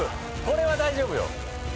これは大丈夫よ。